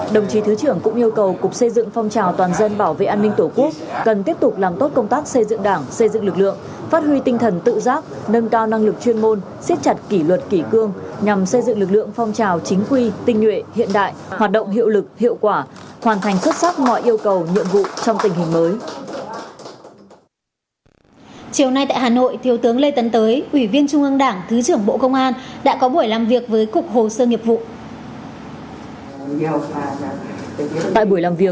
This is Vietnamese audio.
đồng chí thứ trưởng cũng yêu cầu cục xây dựng phong trào toàn dân bảo vệ an ninh tổ quốc cần tiếp tục làm tốt công tác xây dựng đảng xây dựng lực lượng phát huy tinh thần tự giác nâng cao năng lực chuyên môn xếp chặt kỷ luật kỷ cương nhằm xây dựng lực lượng phong trào chính quy tinh nguyện hiện đại hoạt động hiệu lực hiệu quả hoàn thành xuất sắc mọi yêu cầu nhuận vụ trong tình hình mới